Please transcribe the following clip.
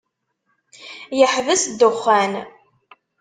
Yeḥbes ddexxan.